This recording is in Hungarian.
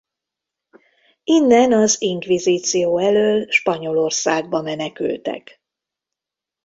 Innen az inkvizíció elől Spanyolországba menekültek.